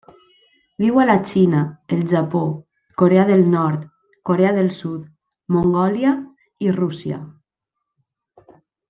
Viu a la Xina, el Japó, Corea del Nord, Corea del Sud, Mongòlia i Rússia.